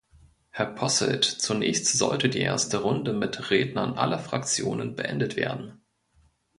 Herr Posselt, zunächst sollte die erste Runde mit Rednern aller Fraktionen beendet werden.